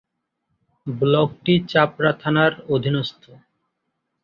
ব্লকটি চাপড়া থানার অধীনস্থ।